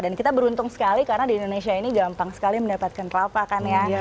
dan kita beruntung sekali karena di indonesia ini gampang sekali mendapatkan kelapa kan ya